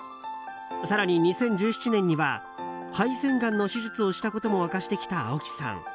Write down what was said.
更に２０１７年には肺腺がんの手術をしてきたことも明かした青木さん。